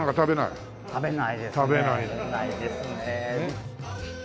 食べないですね。